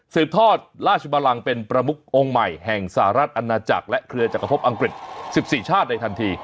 ทอดราชบลังเป็นประมุกองค์ใหม่แห่งสหรัฐอาณาจักรและเครือจักรพบอังกฤษ๑๔ชาติในทันที